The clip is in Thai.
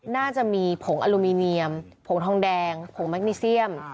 น่าจะมีผงอลูมิเนียมผงทองแดงผงแมคนิเซียม